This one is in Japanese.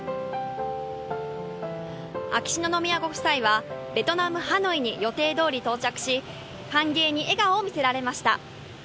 秋篠宮ご夫妻はベトナムハノイに予定通り到着し歓迎に笑顔を見せられました。